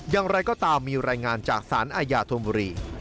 อย่างไรก็ตามมีรายงานจากสารอาญาธนบุรี